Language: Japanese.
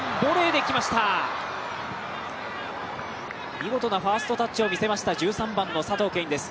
見事なファーストタッチを見せました、１３番の佐藤恵允です。